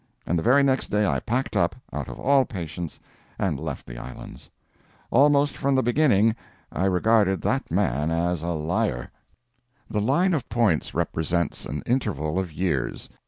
And the very next day I packed up, out of all patience, and left the Islands. Almost from the very beginning, I regarded that man as a liar. The line of points represents an interval of years.